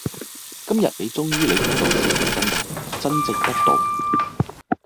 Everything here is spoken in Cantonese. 今日你終於領悟到食嘅真諦，真正得道